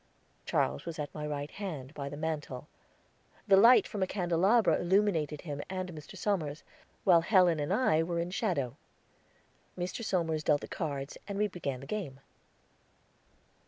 Charles was at my right hand, by the mantel; the light from a candelabra illuminated him and Mr. Somers, while Helen and I were in shadow. Mr. Somers dealt the cards, and we began the game.